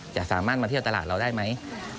จะสามารถมาเที่ยวตลาดเราได้ไหม